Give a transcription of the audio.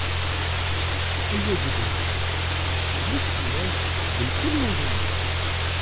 Ay agdud, tteklet fell-as di mkul lawan!